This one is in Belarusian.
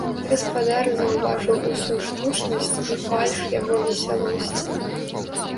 Гаспадар заўважыў усю штучнасць і фальш яго весялосці.